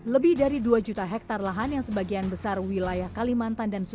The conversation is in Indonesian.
lebih dari dua juta hektare lahan yang sebagian besar wilayah kalimantan dan sulawesi